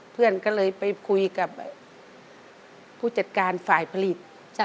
เพื่อนก็เลยไปคุยกับผู้จัดการฝ่ายผลิต